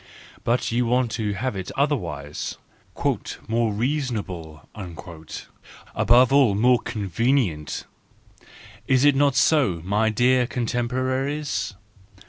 But you want to have it otherwise—"more reasonable," above all more convenient—is it not so, my dear contemporaries